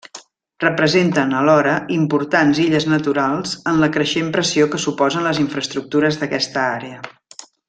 Representen, alhora, importants illes naturals en la creixent pressió que suposen les infraestructures d'aquesta àrea.